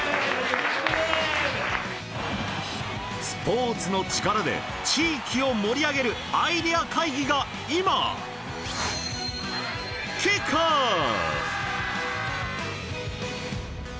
スポーツの力で地域を盛り上げるアイデア会議が今キックオフ！